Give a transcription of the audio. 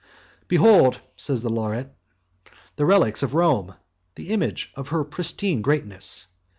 "Behold," says the laureate, "the relics of Rome, the image of her pristine greatness!